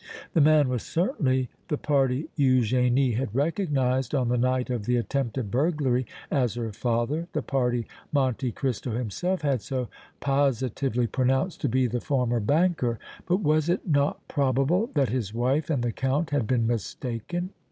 The man was certainly the party Eugénie had recognized on the night of the attempted burglary as her father, the party Monte Cristo himself had so positively pronounced to be the former banker. But was it not probable that his wife and the Count had been mistaken?